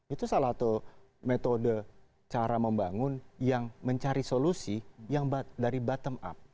itu salah satu metode cara membangun yang mencari solusi yang dari bottom up